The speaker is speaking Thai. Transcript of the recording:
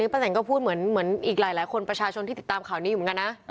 แนนก็พูดเหมือนอีกหลายคนประชาชนที่ติดตามข่าวนี้อยู่เหมือนกันนะ